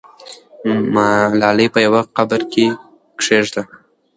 ملالۍ په یوه قبر کې کښېږده.